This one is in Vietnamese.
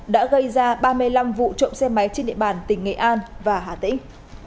đã gây ra ba mươi năm vụ trộm xe máy trên địa bàn tỉnh nghệ an và hà tĩnh